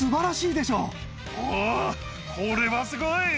おー、これはすごい！